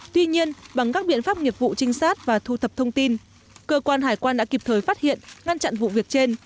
tuy nhiên bằng các biện pháp nghiệp vụ trinh sát và thu thập thông tin cơ quan hải quan đã kịp thời phát hiện ngăn chặn vụ việc trên